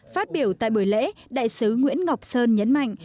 phát biểu tại buổi lễ đại sứ nguyễn ngọc sơn nhấn mạnh